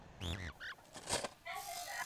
阿第伦达克山脉之间。